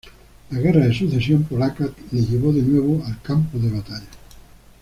La Guerra de Sucesión polaca le llevó de nuevo al campo de batalla.